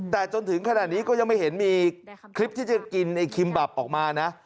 แต่จนถึงขนาดนี้ก็ยังไม่เห็นมีคลิปที่จะกินไอ้คิมบับออกมานะ